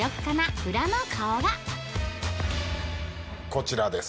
こちらです。